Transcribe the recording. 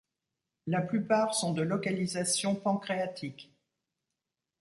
La plupart sont de localisation pancréatique.